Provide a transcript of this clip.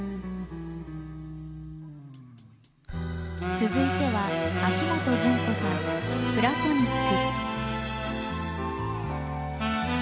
続いては秋元順子さん「プラトニック」。